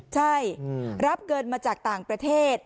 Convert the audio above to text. ใช่รับเงินมาจากต่างประเทศ